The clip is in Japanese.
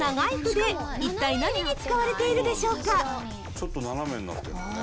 ちょっと斜めになってるんだね。